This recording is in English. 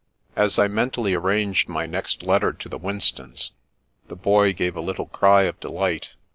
As I mentally arranged my next letter to the Winstons, the Boy gave a little cry of delight.